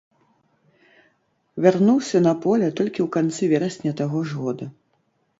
Вярнуўся на поле толькі ў канцы верасня таго ж года.